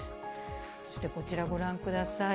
そしてこちらご覧ください。